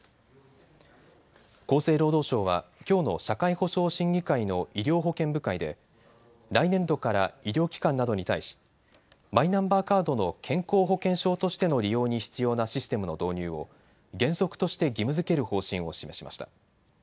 厚生労働省はきょうの社会保障審議会の医療保険部会で来年度から医療機関などに対しマイナンバーカードの健康保険証としての利用に必要なシステムの導入を原則として義務づける方針を示しました。